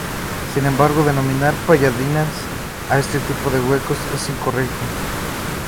Sin embargo, denominar palladianas a este tipo de huecos es incorrecto.